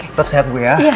tetap sehat ya